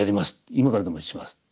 今からでもします」。